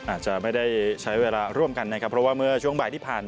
อาจจะไม่ได้ใช้เวลาร่วมกันนะครับ